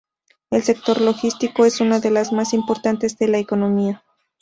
El sector logístico es uno de los más importantes de la economía.